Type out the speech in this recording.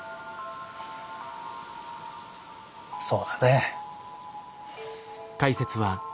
そうだね。